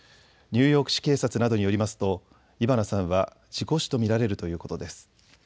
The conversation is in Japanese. ニューヨーク市警察などによりますとイバナさんは事故死と見られるということです。